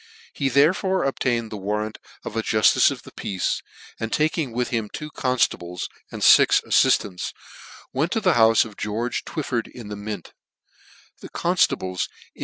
He therefore obtained the warrant of a juftice of the peace, and taking with him two conftables, and 158 NEW NEWGATE CALENDAR. , and fix ailiftants, went to the houfe of George Twyford in the Mint , the conrh bles in.